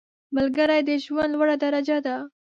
ملګری د ژوند لوړه درجه ده